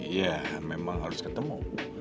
iya memang harus ketemu